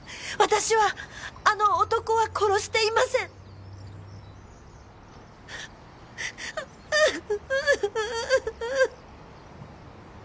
私はあの男は殺していませんあぁ